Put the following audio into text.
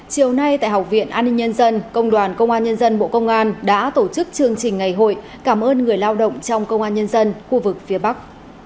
chiều nay tại học viện an ninh nhân dân công đoàn công an nhân dân bộ công an đã tổ chức chương trình ngày hội cảm ơn người lao động trong công an nhân dân khu vực phía bắc